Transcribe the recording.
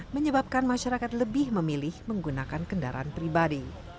menyebabkan masyarakat lebih memilih menggunakan kendaraan pribadi